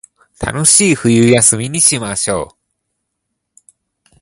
楽しい冬休みにしましょう